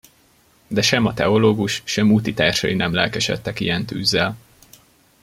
De sem a teológus, sem útitársai nem lelkesedtek ilyen tűzzel.